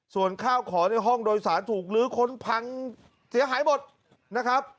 ส่วนข้าวของในห้องโดยสารถูกลื้อค้นพังเสียหายหมดนะครับ